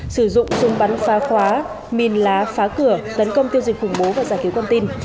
sử dụng súng bắn phá khóa mìn lá phá cửa tấn công tiêu dịch khủng bố và giải cứu con tin